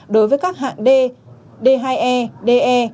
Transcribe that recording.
đối với các hạng d d hai e de